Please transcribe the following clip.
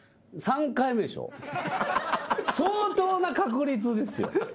相当な確率ですよ。